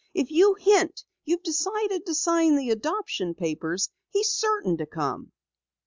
If you hint you've decided to sign the adoption papers, he's certain to come."